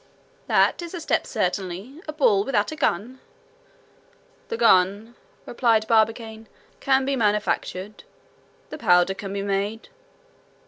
"That is a step certainly. A ball without a gun!" "The gun," replied Barbicane, "can be manufactured. The powder can be made.